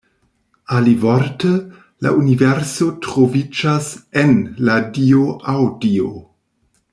Alivorte, la universo troviĝas "en" la dio aŭ Dio.